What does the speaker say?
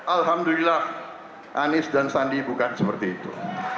alhamdulillah anies dan sandi bukan seperti itu